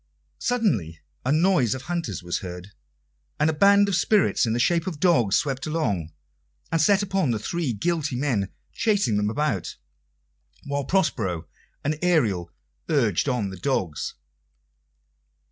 Suddenly a noise of hunters was heard, and a band of spirits in the shape of dogs swept along, and set upon the three guilty men, chasing them about, while Prospero and Ariel urged on the dogs.